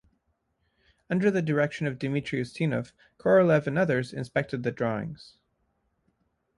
Under the direction of Dimitri Ustinov, Korolev and others inspected the drawings.